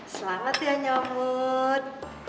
selamat ya nyomot